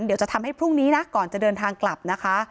เดี๋ยวจะทำให้พรุ่งนี้นะก่อนจะเดินทางกลับนะคะ